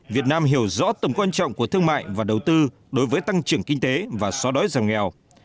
việt nam hiểu rõ tầm quan trọng của thương mại và đầu tư đối với tăng trưởng kinh tế và xóa đói giảm nghèo